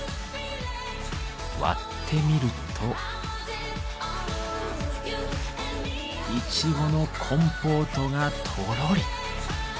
割ってみるとイチゴのコンポートがとろり。